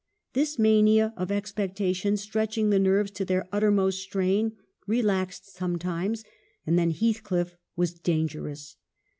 This mania of expectation stretching the nerves to their utter most strain, relaxed sometimes ; and then Heath cliff was dangerous.